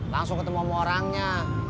langsung ketemu sama orangnya